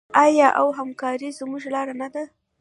آیا او همکاري زموږ لاره نه ده؟